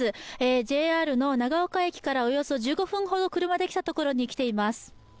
ＪＲの長岡駅からおよそ１５分ほど車で来たところにいます。